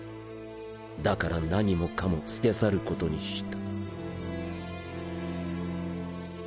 だから何もかも捨て去ることにした。